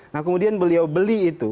nah kemudian beliau beli itu